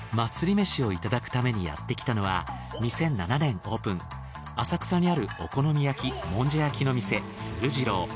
めしをいただくためにやってきたのは２００７年オープン浅草にあるお好み焼きもんじゃ焼きの店つる次郎。